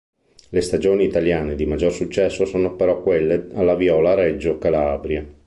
Le stagioni italiane di maggior successo sono però quelle alla Viola Reggio Calabria.